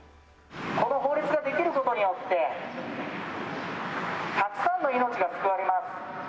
この法律が出来ることによって、たくさんの命が救われます。